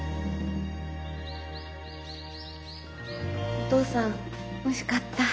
お父さんおいしかった。